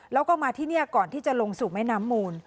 แล้วก็มาที่นี่ก่อนที่จะลงสู่แม่น้ำมูล